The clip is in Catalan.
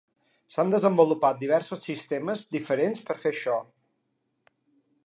S'han desenvolupat diversos sistemes diferents per fer això.